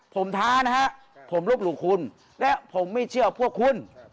ผมท้านะฮะผมลบหลู่คุณและผมไม่เชื่อพวกคุณ